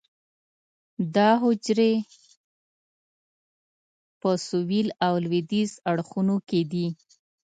دا حجرې په سویل او لویدیځ اړخونو کې دي.